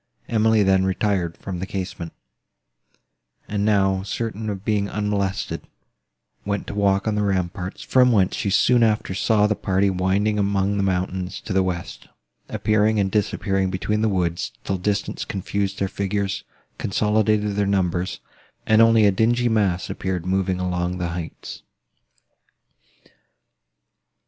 Emily then retired from the casement, and, now certain of being unmolested, went to walk on the ramparts, from whence she soon after saw the party winding among the mountains to the west, appearing and disappearing between the woods, till distance confused their figures, consolidated their numbers, and only a dingy mass appeared moving along the heights.